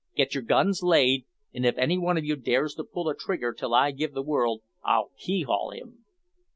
"Get your guns laid, and if any one of you dares to pull a trigger till I give the word, I'll keel haul him."